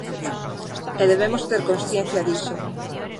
E debemos ter consciencia diso.